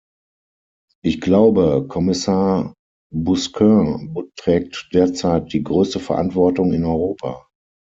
Ich glaube, Kommissar Busquin trägt derzeit die größte Verantwortung in Europa.